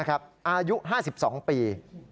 อายุ๕๒ปี